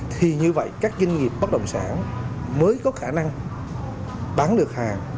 thì như vậy các doanh nghiệp bất động sản mới có khả năng bán được hàng